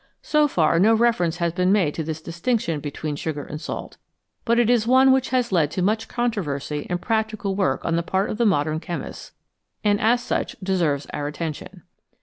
So far, no reference has been made to this distinction between sugar and salt, but it is one which has led to much controversy and practical work on the part of modern chemists, and as such deserves our attention.